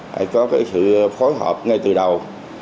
lại có sự phối hợp ngay từ đầu